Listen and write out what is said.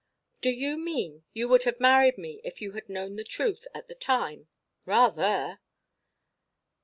"Do you mean you would have married me if you had known the truth at the time?" "Rather."